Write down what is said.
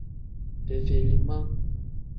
Fefelima.